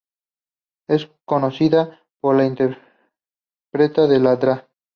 Es conocida por interpretar a la Dra.